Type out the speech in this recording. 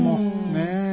ねえ。